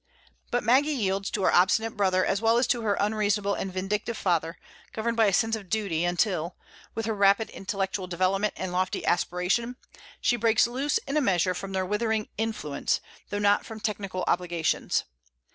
But Maggie yields to her obstinate brother as well as to her unreasonable and vindictive father, governed by a sense of duty, until, with her rapid intellectual development and lofty aspiration, she breaks loose in a measure from their withering influence, though not from technical obligations.